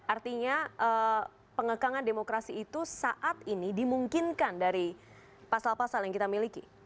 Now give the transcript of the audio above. artinya pengekangan demokrasi itu saat ini dimungkinkan dari pasal pasal yang kita miliki